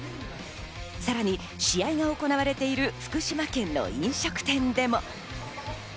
さらに試合が行われている福島県の飲食店でも。